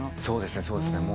そうですね。